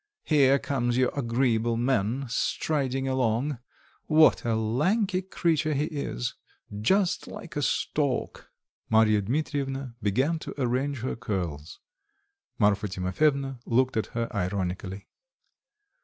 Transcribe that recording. "Here comes your agreeable man striding along. What a lanky creature he is, just like a stork!" Marya Dmitrievna began to arrange her curls. Marfa Timofyevna looked at her ironically.